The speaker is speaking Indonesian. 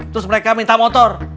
terus mereka minta motor